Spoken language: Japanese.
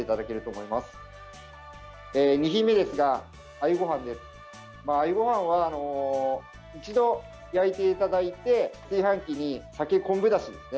鮎ごはんは一度焼いていただいて炊飯器に酒、昆布だしですね。